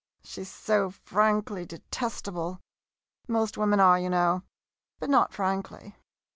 She 's so frankly detestable. Most women are, you know — but not frankly.